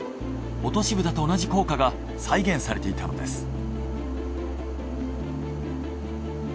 落としぶたと同じ効果が再現されていたのです。